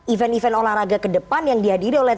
event event olahraga kedepan yang dihadiri oleh